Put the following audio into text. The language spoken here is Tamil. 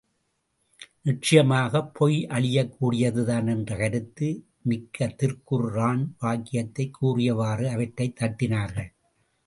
நிச்சயமாக பொய் அழியக் கூடியதுதான் என்ற கருத்து மிக்க திருக்குர்ஆன் வாக்கியத்தைக் கூறியவாறே அவற்றைத் தட்டினார்கள்.